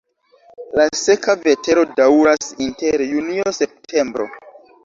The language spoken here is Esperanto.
La seka vetero daŭras inter junio-septembro.